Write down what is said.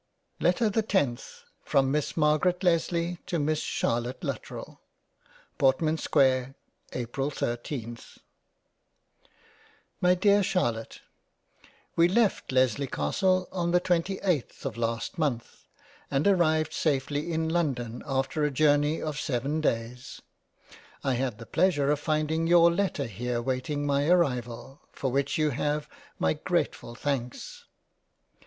75 £ JANE AUSTEN g LETTER the TENTH From Miss MARGARET LESLEY to Miss CHARLOTTE LUTTERELL Portman Square April 13th My dear Charlotte WE left Lesley Castle on the 28th of last Month, and arrived safely in London after a Journey of seven Days ; I had the pleasure of finding your Letter here waiting my Arrival, for which you have my grateful Thanks.